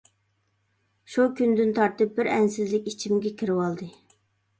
شۇ كۈندىن تارتىپ بىر ئەنسىزلىك ئىچىمگە كىرىۋالدى.